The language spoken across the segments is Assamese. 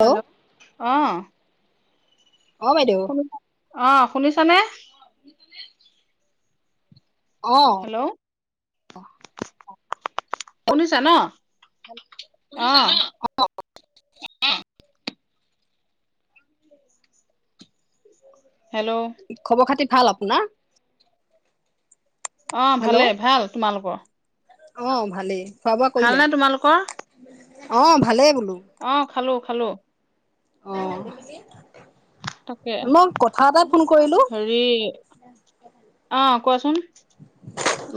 হেল্ল', অ। অ বাইদেউ শুনিছ, অ শুনিছ নে? অহ। হেল্ল' শুনিছা ন? শুনিছা অঁ ন? অ। অ। হেল্ল' খবৰ খাটি। ভাল আপোনাৰ? অ হেল্ল' ভালে, ভাল তোমালোকৰ। অ, ভালেই। খোৱা বোৱা কৰিলে ভালনে তোমালোকৰ? অ। ভালেই, বোলো। অঁ খালো খালো। অ। তাকে, মই কথা এটাই ফোন কৰিলো হেৰি আহ কোৱাচোন।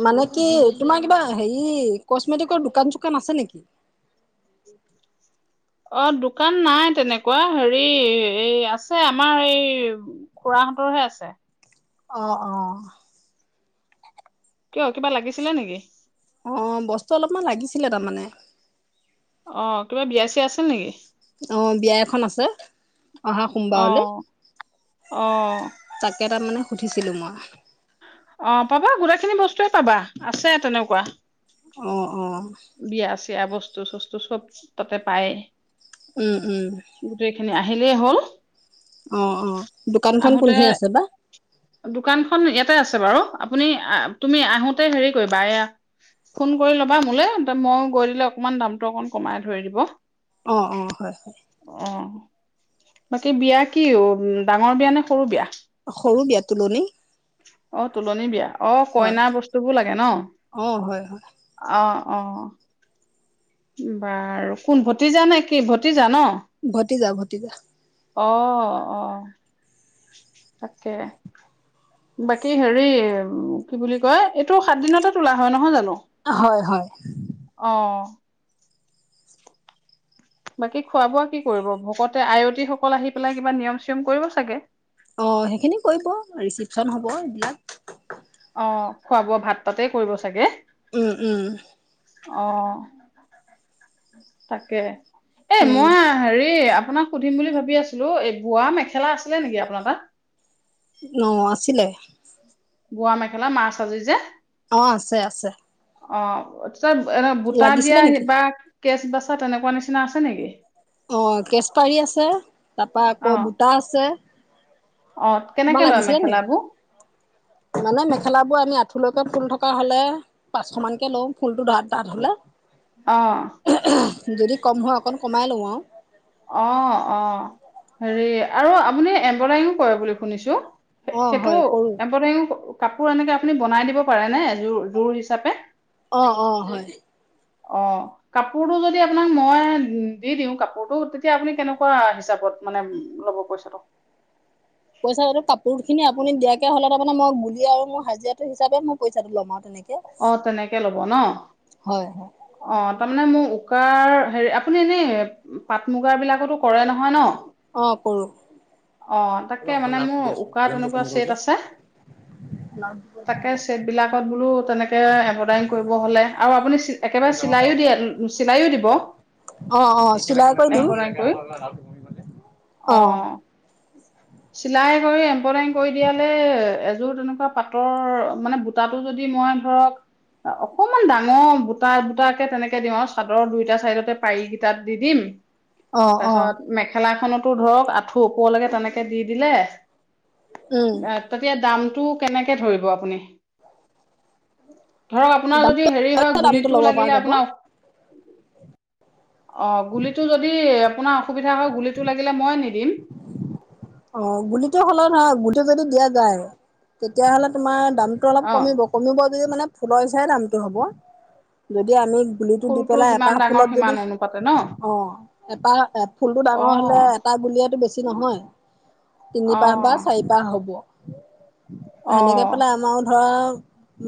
মানে কি তোমাৰ কিবা হেৰি, কচমেটিকৰ দোকান চোকান আছে নেকি? অ, দোকান নাই তেনেকুৱা হেৰি, এই আছে আমাৰ এই খুৰাহঁতৰহে আছে। অ অ কিয় কিবা লাগিছিলে নেকি অঁ বস্তু অলপমান লাগিছিলে তাৰমানে। অ কিবা বিয়া চিয়া আছিল নেকি? অ বিয়া এখন আছে। অহা সোমবাৰলৈ আহ আহ তাৰ মানে সুধিছিলোঁ মই। অ পাবা গোটেইখিনি বস্তুৱে পাবা, আছে তেনেকুৱা। অ অ বিয়া আছে। য়া বস্তু চস্তু চব তাতে পায়। উম উম আহিলেই হ'ল। অঁ অঁ, দোকানখন আহোতে কোনখিনিত আছে বা? দোকানখন ইয়াতে আছে বাৰু, আপুনি তুমি আহোতে হেৰি কৰিবা এয়া ফোন কৰি ল'বা মোলে। মই গৈ দিলে অকনমান দামটো অকন কমাই ধৰি দিব। অ অ হয় হয় অ বাকী বিয়া কিম ডাঙৰ বিয়া নে সৰু বিয়া? সৰু বিয়া তুলনি। অ তোলনি বিয়া। অ হয় কইনা বস্তুবোৰ লাগে ন? অ হয় হয় অ। অ বাৰু কোন ভতিজা নে কি ভতিজা ন? ভতিজা ভতিজা। অ অ তাকে, বাকী হেৰি কি বুলি কয় এইটো সাত দিনতে তোলা হয় নহয় জানো? হয় হয় অ বাকী খোৱা বোৱা কি কৰিব ভকতে আয়তীসকল আহি পেলাই কিবা নিয়ম চিৰম কৰিব চাগে? অ সেইখিনি কৰিব। ৰিচিপশ্যন হ'ব এইবিলাক। অ খোৱা বোৱা ভাত তাতেই কৰিব চাগে? উম উম অ, তাকে। এ উম মই হেৰি আপোনাক সুধিম বুলি ভাবি- সুধি আছিলো, এই বোৱা মেখেলা আছিলে নেকি আপোনাৰ তাত? ন আছিলে। বোৱা মেখেলা মাছ আজি যে, অ আছে আছে। অ। তাত এ বুটা দিয়া লাগিছিলে নেকি? বা- কেচ বাচা তেনেকুৱা নিচিনা আছে নেকি? অ কেচপাৰী আছে। তাপা অ আকৌ বুটা আছে। অ তোমাৰ কেনেকে লয় লাগিছিলে নি মেখেলাবোৰ মানে মেখেলা বোৰ আমি আথুলকে ফুল থকা হ'লে পাঁচশ মানকে লওঁ ফুলটো ডাঠ ডাঠ হ'লে অ যদি কম হয় অকণ কমাই লওঁ আৰু অ অ হেৰি আৰু আপুনি এম্বদাৰীও কৰে বুলি শুনিছো অ হয় সেইটো কৰো। এম্বদাৰী ও কাপোৰ এনেকে আপুনি বনাই দিব পাৰে নেযোৰ জোৰ হিচাপে অ অ হয় অ কাপোৰটো যদি আপোনাক মই দি দিওঁ কাপোৰটো তেতিয়া আপুনি কেনেকুৱা হিচাপত মানে ল'ব পইচাটো পইচাটো কাপোৰ খিনি আপুনি দিয়াকে হলে তাৰমানে মই আৰু মোৰ হাজিৰাটো হিচাপে মোক পইচাটো লম অ তেনে অ তেনেকে লব ন হয় হয়। অ তাৰমানে মোক উকাৰ হেৰি আপুনি এনেই পাট মুগাৰ বিলাকতো কৰে নহয় ন অ তাকে মানে মোৰ উকা তেনেকুৱা ছেট আছে তাকে ছেট বিলাকত বোলো তেনেক হলে এম্বদাৰী কৰিব হলে আৰু আপুনি একেবাৰে চিলাই দিয়ে চিলাইও দ ব অ অ চিলাই কৰি দিওঁ কৰি অ অঁ চিলাই কৰি এমব্ৰইডাৰী কৰি দিয়ালে এযোৰ তেনেকুৱা পাতৰ মানে বুটাটো যদি মই ধৰক অকমান ডাঙৰ বুটা বুটাকে তেনেকে দিম আৰু চাদৰৰ দুইটা চাইডতে পাৰি কেইটাত দি দিম অ অ তাৰপিছত মেখেলা খনত ধৰক আঠু ওপৰলেকে তেনেকে দিদিলে অ উম তেতিয়া দাম টো কেনেকে ধৰিব আপুনি ধৰক আপোনাৰ দামটো যদি হেৰি হয় দামটো গুলিটো ল'ব পৰা লাগিলে যাব আপোনাৰ অ গুলিটো যদি আপোনাৰ অসুবিধা হৈ গুলীটো লাগিলে মইয়ে নিম অ গুলিটো হ'লে নহয় গুলিত তেতিয়াটো দিয়া জাই তেতিয়া হ'লে তোমাৰ দামটো অলপ অ', কমিব কমিব যদি মানে ফুলৰ হিচাপ দামটো হ'ব যদি আমি গুলিটো দি ফুলটো পেলাই যিমান এপাহ ডাঙৰ ফুলত যদি সিমান অনুপাতে ন অ এপাহ ফুলটো ডাঙৰ হলে অ', এটা গুলিয়ে বেছি নহয়। তিনি অ', পাহ বা চাৰিপাহ হব [inaudible] সেনেকে অ', পেলাই আমাৰো ধৰা।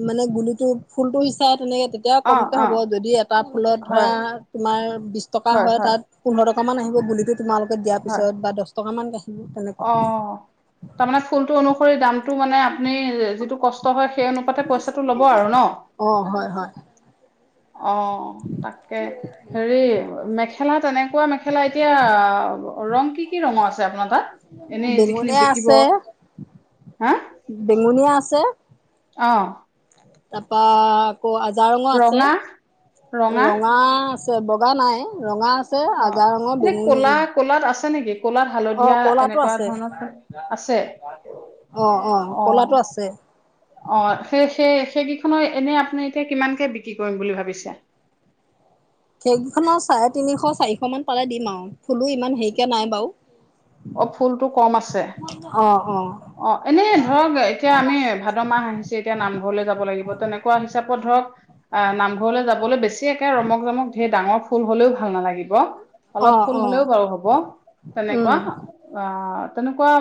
মানে গুলিটো ফুলটো সিচাইত তেনে তেতিয়া অ', কমকৈ হ'ব অ', যদি এটা ফুলত ধৰা হয়, তোমাৰ বিছ টকা হয় তাত পোন্ধৰ টক সমান আহিব গুলিটোত তোমালোকে দিয়া হয়, পিছত টকা মান দে অ তাৰমানে ফুলটো অনুসৰি দাম। টো মানে আপুনি যিটো কষ্ট হয় সেই অনুপাতে পইচাটো ল'ব আৰু ন অ হয় হয় অ তাকে হেৰি মেখেলা তেনেকুৱা মেখেলা এতিয়া ৰং কি কি ৰঙৰ আছে আপোনাৰ তাত এনেই যিখিনি বেঙুনিয়া বিকিব আছে হা বেঙুনিয়া আছ আছে অ তা পা ক আজা ৰঙৰ আছে ৰঙা ৰঙা আছে বগা নাই ৰঙা আছে অ আজাৰ ৰঙৰ এনে বেঙুন কলা কলাত আছ নেকি কলাত অ হালধীয়া কলাটো এনেকুৱা আছে ধৰণৰ ফোন আছে অ অ কলাটো আছে অ সেই সেই সেই কেইখনো এনে আপুনি এতিয়া কিমানকে বিক্ৰী কৰিম বুলি ভাবিছে সেইকেইখন চাৰে তিনিশ চাৰিশ মান তালে দিম আৰু ফুলো ইমান হেৰিকে নাই বাৰু অ ফুলটো কম আছে অ এনেই ধৰক এতিয়া আমি ভাদ মাহ আহিছে এতিয়া নামঘৰলে যাব লাগিব তেনেকুৱা হিচাপত ধৰক আহ নামঘৰলৈ যাবলৈ বেছি একে ৰমক জমক ধেৰ ডাঙৰ ফুল হলেও ভাল নালাগিব। অলপ অ', ফুল অ', হলেও বাৰু হ'ব তেনেকুৱা উম, অ তেনেকুৱা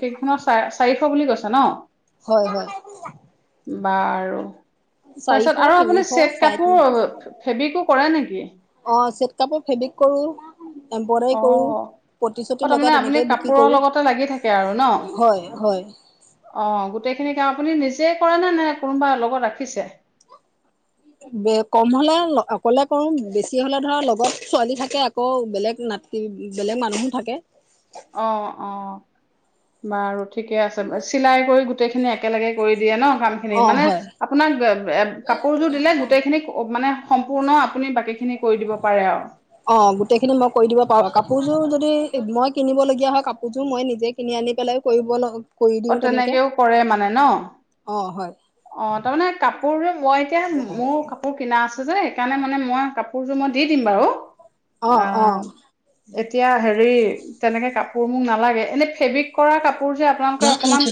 সেইকেইখনত চা চাৰিশ বুলি কৈছে ন? হয় হয়। বাৰু চাৰিশ তাৰপিছত আৰু আপুনি তিনিশ চেট চাৰে তিনিশ কাপোৰ ফেব্ৰিকোক কৰে নেকি? অ চেট কাপোৰ ফেব্ৰিক কৰো। এম্ব্ৰইডাৰী অ কৰো পতি চতি অ লগাই তাৰমানে আপুনি তেনেকেও বিক্ৰী কাপোৰৰ কৰো লগতে লাগি থাকে আৰু ন, হয়, হয়। অ গোটেইখিনিক কে আৰু আপুনি নিজে কৰেনে নে কোনোবা লগত ৰাখিছে? বে কম হলে অকলে কৰো বেছি হলে ধৰা লগত ছোৱালী থাকে। আকৌ বেলেগ নাতি বেলেগ মানুহো থাকে। অ-অ বাৰু ঠিকে আছে চিলাই কৰি গোট গোটেইখিনি একেলগে কৰি দিয়ে ন? ক খিনি, অ', মানে হয়। আপোনাক কাপোৰযোৰ দিলে গোটেই খিনিক মানে সম্পূৰ্ণ আপুনি বাকীখিনি কৰি দিব পাৰে আৰু। অ গোটেইখিনি মই কৰি দিব পাৰো, কাপোৰযোৰ য দি মই কিনিব লগীয়া হয় কাপোৰযোৰ মই নিজে কিনি আনি পেলাই কৰিব ল অ তেনেকেও কৰে মানে ন? অ হয় অ তাৰমানে কাপোৰ যে মই এতিয়া, মোৰ কাপোৰ কিনা আছে যে সেইকাৰণে মানে মই কাপোৰযোৰ মই দি দিম বাৰু। আহ আহ। অ', এতিয়া হেৰি তেনেকে কাপোৰ মোক নালাগে এনে ফেব্ৰিক কৰা কাপ কাপোৰ যে আপোনালোকে অকমান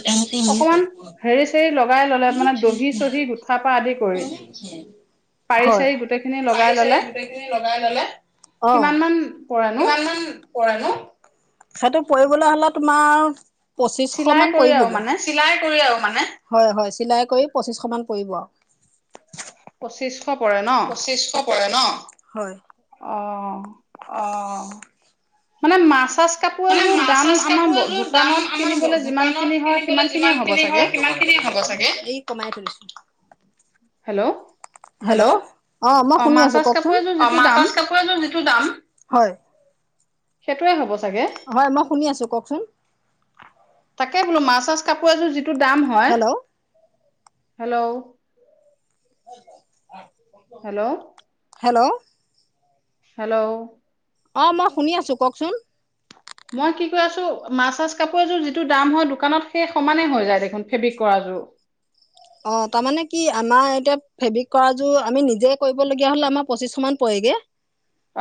অকমান হেৰি চেৰি লগাই ললে দহি চহি গোঠা পৰা আদি কৰি পাৰি হয় চাৰি গোটেইখিনি লগাই পাৰি চাৰি ললে গোটেই খিনি লগাই ললে অ কিমান মান পৰেনো? কিমান মান পৰেনো? সেইটো পৰিবলৈ হলে তোমাৰ পচিশ চিলাই মান কৰি পৰিব আৰু গে মানে চিলাই কৰিও আৰু মানে? হয় হয় চিলাই পচিশ মান পৰিব আ। পঁচিশ পঁচিশশ পৰে ন- হয়। অ-অ-অ অঁ মানে মাছ চাছ কাপোৰ এযোৰ দাম আমাৰ কিনিবলৈ যিমান দোকানত খিনি হয় সিমান কিনিবলৈ খিনিয়ে যিমান হ'ব চাগে? হয় সিমান খিনিয়ে হ'ব চাগে। হেল্ল' হেল্ল, অ মই শুনি আছো মাৰ্চাজ কক কাপোৰ চুন, এযোৰ অ যিটো দাম মাছাজ কাপোৰ এযোৰ যিটো দাম?, হয় সেইটোৱে হ'ব চাগে? মই শুনি আছো কক চুন তাকে বোলো মাছ চাছ কাপোৰ এযোৰ যি টো দাম হয় hello hello hello hello hello অ মই শুনি আছো কওকচোন মই কি ক আছো মাছ চাছ কাপোৰ এযোৰ যিটো দাম হয় দোকানত সেই সমানে হৈ যায় দেখোন ফেব্ৰিক কৰাযোৰ অ তাৰমানে কি আমাৰ এতিয়া ফেব্ৰিক কৰাযোৰ আমি নিজে কৰিবলগীয়া হ'লে আমাৰ পঁচিছশ মান পৰেগে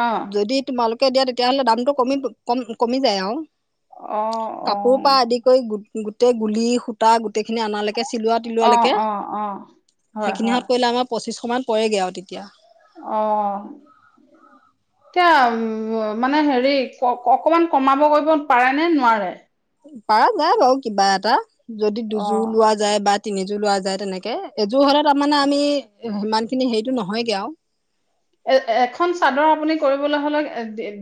অ যদি তোমালোক দিয়া তেতিয়াাহ'লে দামটো কমি কম কমি যায় আৰু অ অ কাপোৰ পা আদি কৰি গোট গোটেই গুলি সূতা গোটেই খিনি আনালেক। চিলোৱা তিলোৱা অ, লেকে। অ, হয়, হয়। পঁচিছশমান পয়েগে আও তেতিয়া। অ এতিয়া উ মানে হেৰি অকমান কমাব কৰিব পাৰে নে নোৱাৰে। পাৰা যায় বাৰু কিবা এটা। যদি অ দুযোৰ লোৱা যায় বা। তিনিযোৰ লোৱা যায় তেনেকে এযোৰ হলে তাৰমানে আমি সিমান খিনি হেৰিটো নহয়গে আও। এ এখন চাদৰ আপুনি কৰিবলৈ হলে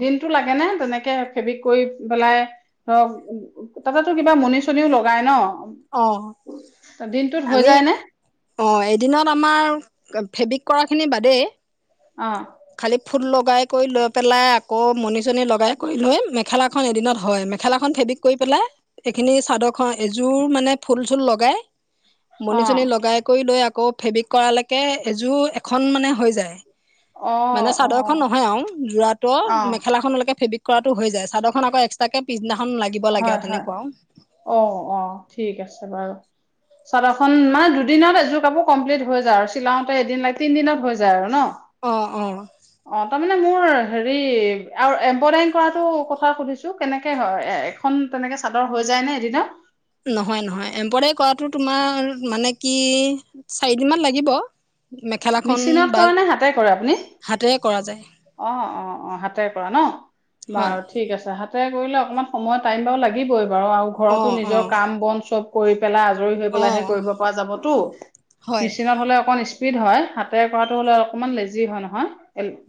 দিনটো লাগে নে? তেনেকে ফেব্ৰিক কৰি পেলাই ধৰক তাতেতো কিবা মনি চনিও লগাই ন। অ ত দিন। আমি অ এদিনত আমাৰ। ফেব্ৰিক কৰা খিনি বাদেই। অ। খালি ফুল লগাই কৰি লৈ পেলাই আকৌ মনি। চ'নী লগাই কৰি লৈ মেখেলাখন এদিনত হয় মেখেলাখন ফেব্ৰিক কৰি পেলাই। এইখিনি চাদৰ খ এযোৰ মানে ফুল চুল লগাই। অ মনিচনী লগাই কৰি লৈ আকৌ। আকৌ ফেব্ৰিক কৰালেকে এযোৰ এখন মানে হৈ যায়। মানে অঁ চাদৰ অঁ খন নহয় আও যোৰাটো অ অঁ মেখেলাখনলৈকে ফেবিক। কৰাতো হৈ যায় চাদৰ আকৌ এক্সট্ৰাকে পিছদিনা। হয়, হয়, অ, অ ঠিক আছে বাৰু। চাদৰখন মানে দুদিনত এযোৰ কাপোৰ কমপ্লিট হৈ যায় আৰু চিলাওতে এদিন লাগে তিন দিনত হৈ যায় আৰু ন। অহঁ, অঁহ। মানে মোৰ হেৰি আৰু এমব্ৰইডাৰিং কৰাটো কথা সুধিছোঁ কেনেকৈ হয়। খন তেনেকে চাদৰ হৈ যায় নে এদিনত। নহয়- নহয় এমব্ৰইডাৰী কৰাটো তোমাৰ মানে কি চাৰিদিনমান লাগিব। মেখেলাখন মেচিনত বা কৰে হাতেৰে কৰা যায়। অ -অ -অ হাতেৰে কৰা ন? হয় বাৰু ঠিক আছে হাত তাতে কৰিলে অকণমান সময় টাইম বাৰু লাগিবই। বাৰু - বাৰু ঘৰতো অ', নিজৰ অ', কাম বন চব কৰিলো। পেলাই আজৰি হৈ পেলাই হে অ', কৰিব পৰা যাবতো হয় মেচিনত হ'লে অকন। স্পীড হয় হাতে কৰাটো হ'লে অকমান লেজি হয় নহয়।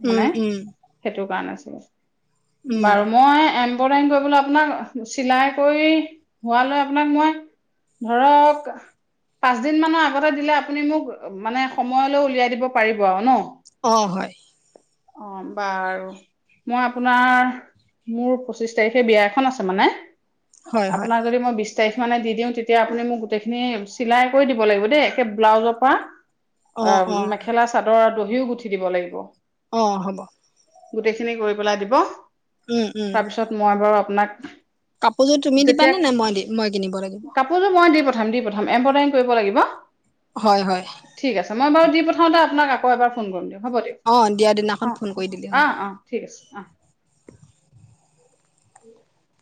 মানে, উম, উম, সেইটো কাৰণে। অ ' [inaudible] উম, বাৰু মই। বৰ্ডাৰিং কৰিবলৈ আপোনাক, চিলাই কৰি হোৱালৈ আপোনাক মই ধৰক, পাঁচ দিন মানৰ আগতে দিলে আপুনি মোক মানে সময়লৈ উলিয়াই দিব পাৰিব আৰু ন? অ, হয়। অ, বাৰু মই আপোনাৰ, মোৰ পঁচিশ তাৰিখে বিয়া এখন আছে মানে। হয় হয় আপোনাক যদি মই বিশ তাৰিখ। মানে দি দিওঁ, তেতিয়া আপুনি মোক গোটেইখিনি চিলাই কৰি দিব লাগিব দেই একে ব্লাউজৰ পৰা। অ, মেখেলা চাদৰ আৰু দহিও গুঠি দিব লাগিব। অ, হ'ব। গোটেইখিনি কৰি পেলাই দিব। উম, উম, তাৰপিছত মই বাৰু আপো আপোনাক। কাপোৰযোৰ তুমি যেতিয়া দিবানে নে মই মই কিনিব লাগিব? কাপোৰযোৰ মই দি পঠাম, দি পঠাম, এম্ব্ৰইডাৰিং কৰিব লাগিব। হয়, হয়। ঠিক আছে মই বাৰু দি পঠাওঁতে আপোনাক আকৌ এবাৰ ফোন কৰিম দিয়ক। হ'ব দিয়ক। অ', দিয়াৰ দিনাখন অ, ফোন অ, কৰি দিলেই হ'ল অ, অ ঠিক আছে। অ। উম। [inaudible]